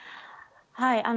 はい。